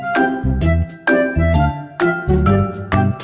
terima kasih sudah nonton